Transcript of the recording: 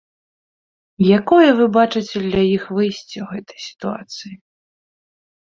Якое вы бачыце для іх выйсце ў гэтай сітуацыі?